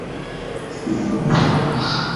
এটা উচিত হবে না।